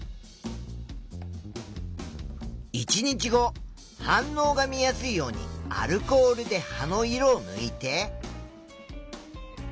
１日後反応が見やすいようにアルコールで葉の色をぬいて。